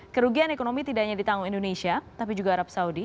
kerugian ekonomi tidak hanya ditanggung indonesia tapi juga arab saudi